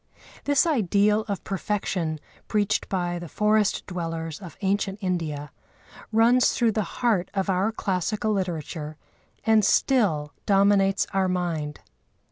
This ideal of perfection preached by the forest dwellers of ancient India runs through the heart of our classical literature and still dominates our mind.